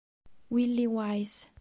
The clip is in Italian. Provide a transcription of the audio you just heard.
Willie Wise